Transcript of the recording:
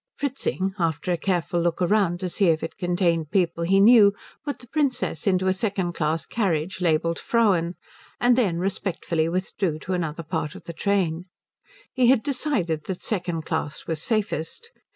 Fritzing, after a careful look round to see if it contained people he knew, put the Princess into a second class carriage labelled Frauen, and then respectfully withdrew to another part of the train. He had decided that second class was safest.